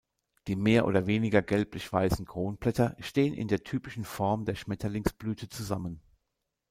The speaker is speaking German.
Die mehr oder weniger gelblich-weißen Kronblätter stehen in der typischen Form der Schmetterlingsblüte zusammen.